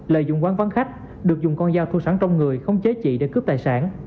lợi dụng quán vắng khách được dùng con dao thu sẵn trong người không chế trị để cướp tài sản